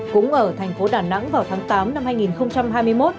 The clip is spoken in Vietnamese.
cũng ở thành phố đà nẵng vào tháng tám năm hai nghìn hai mươi một